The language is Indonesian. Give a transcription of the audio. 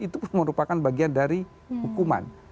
itu merupakan bagian dari hukuman